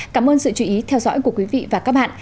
cảm ơn sự chú ý theo dõi của quý vị và các bạn